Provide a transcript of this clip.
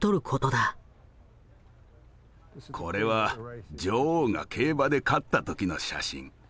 これは女王が競馬で勝った時の写真。